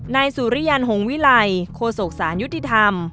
นายสุริยัณหงวิไลโคศกศาลยุทธิธรรม